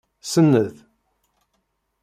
Senned.